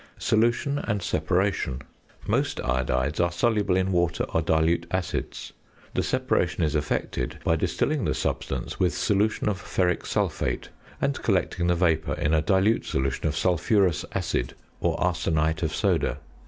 ~Solution and Separation.~ Most iodides are soluble in water or dilute acids. The separation is effected by distilling the substance with solution of ferric sulphate, and collecting the vapour in a dilute solution of sulphurous acid or arsenite of soda.